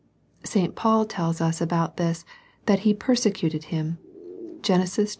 . St. Paul tells us about this, that " he persecuted him." (Gen. xxi.